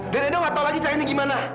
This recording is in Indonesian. dan edo gak tau lagi caranya gimana